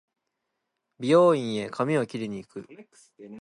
美容院へ髪を切りに行く